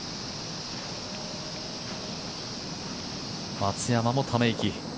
松山もため息。